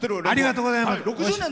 ありがとうございます。